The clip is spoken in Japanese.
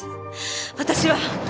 私は。